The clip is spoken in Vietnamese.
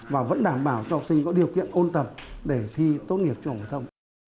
và vẫn đảm bảo cho học sinh có điều kiện ôn tập để thi tốt nghiệp trường hợp thông